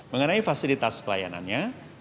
mengenai fasilitas pelayanannya